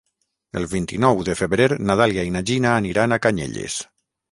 El vint-i-nou de febrer na Dàlia i na Gina aniran a Canyelles.